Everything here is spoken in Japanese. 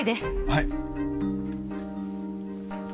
はい！